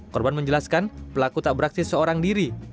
korban menjelaskan pelaku tak beraksi seorang diri